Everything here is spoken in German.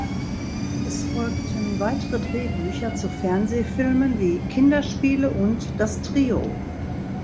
Es folgten weitere Drehbücher zu Fernsehfilmen wie "Kinderspiele" und "Das Trio".